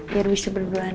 biar bisa berdua